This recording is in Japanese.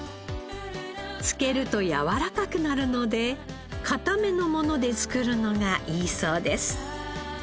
漬けるとやわらかくなるので硬めのもので作るのがいいそうです。